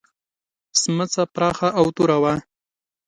سمڅه پراخه او توره وه.